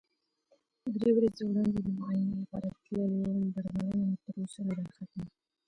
درې ورځې وړاندې د معاینې لپاره تللی وم، درملنه مې تر اوسه نده ختمه.